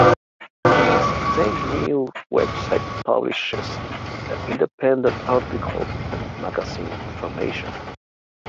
Its same name website publishes the independent articles and magazine information.